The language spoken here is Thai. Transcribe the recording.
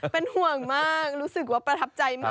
เป็นห่วงมากรู้สึกว่าประทับใจมาก